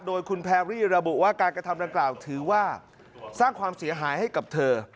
โดยคุณแพรรี่ระบุว่าการกระทำดังกล่าวถือว่าสร้างความเสียหายให้กับเธอ